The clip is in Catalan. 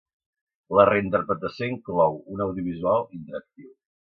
La reinterpretació inclou un audiovisual interactiu.